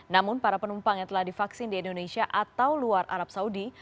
namun para penumpang yang telah divaksin di indonesia atau luar arab saudi